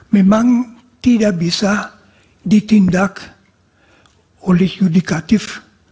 memang tidak bisa ditindak oleh yudikatif